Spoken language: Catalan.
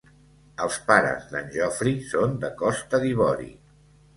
Els pares d'en Geoffrey son de Costa d'Ivori.